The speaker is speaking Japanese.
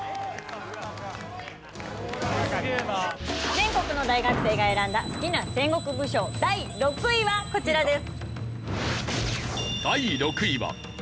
全国の大学生が選んだ好きな戦国武将第６位はこちらです。